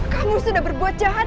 kamu sudah berbuat jahat